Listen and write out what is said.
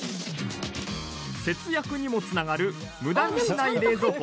節約にもつながるむだにしない冷蔵庫。